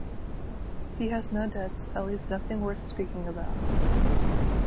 He has no debts — at least, nothing worth speaking about.